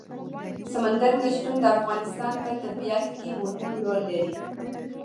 سمندر نه شتون د افغانستان په طبیعت کې مهم رول لري.